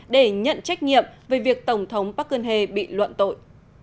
để nhận trách nhiệm về việc tổng thống park geun hye bị luận tội